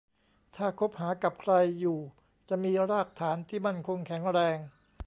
ถ้าคบหากับใครอยู่จะมีรากฐานที่มั่นคงแข็งแรง